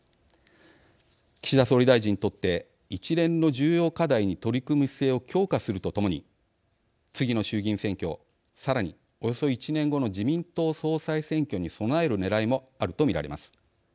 岸田総理大臣にとって一連の重要課題に取り組む姿勢を強化するとともに次の衆議院選挙さらに、およそ１年後の自民党総裁選挙に備えるねらいもあると見られます。